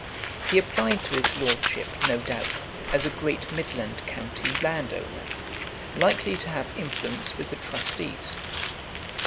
He applied to his lordship, no doubt, as a great midland county landowner, likely to have influence with the trustees.